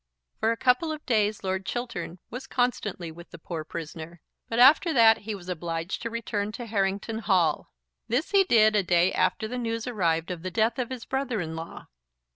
For a couple of days Lord Chiltern was constantly with the poor prisoner, but after that he was obliged to return to Harrington Hall. This he did a day after the news arrived of the death of his brother in law.